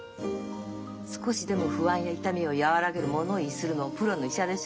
少しでも不安や痛みを和らげる物言いするのもプロの医者でしょ。